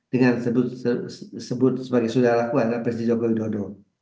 dengan sebut sebagai saudara laku adalah presiden joko widodo